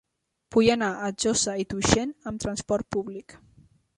Vull anar a Josa i Tuixén amb trasport públic.